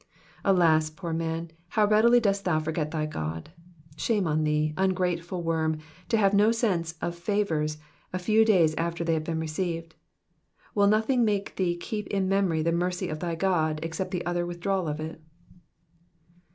Alas, poor man, how readily dost thou forget thy God 1 Shame on thee, ungrateful worm, to have no sense of favours a Um days after they have been received. Will nothing make thee keep in memory the mercy of thy God except the utter withdrawal of it